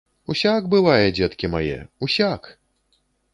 Усяк бывае, дзеткі мае, усяк!